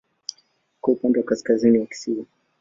Iko upande wa kaskazini wa kisiwa.